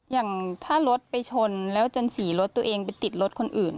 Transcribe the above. อย่างถ้ารถไปชนแล้วจนสีรถตัวเองไปติดรถคนอื่น